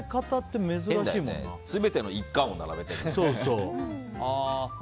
全ての１巻を並べてる。